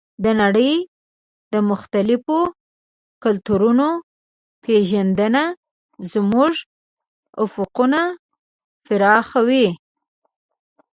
د نړۍ د مختلفو کلتورونو پېژندنه زموږ افقونه پراخوي.